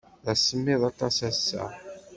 D asemmiḍ aṭas ass-a.